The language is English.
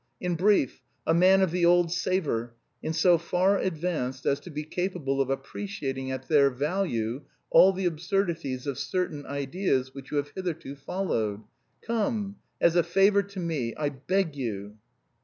in brief, a man of the old savour, and so far advanced as to be capable of appreciating at their value all the absurdities of certain ideas which you have hitherto followed. Come, as a favour to me, I beg you."